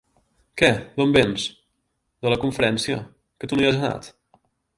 —Què, d’on vens? —De la conferència. Que tu no hi has anat?